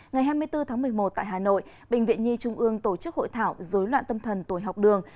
ngày hai mươi bốn tháng một mươi một tại hà nội bệnh viện nhi trung ương tổ chức hội thảo dối loạn tâm thần tồi học đường